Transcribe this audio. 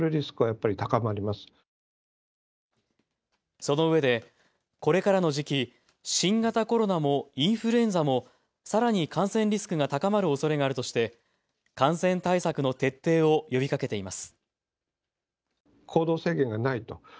そのうえでこれからの時期新型コロナもインフルエンザもさらに感染リスクが高まるおそれがあるとして感染対策の徹底を呼びかけています。